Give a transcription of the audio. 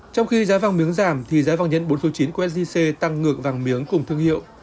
trong khi giá vàng miếng giảm thì giá vàng nhẫn bốn số chín của sgc tăng ngược vàng miếng cùng thương hiệu